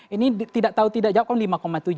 ini tidak tahu tidak jawab kan lima tujuh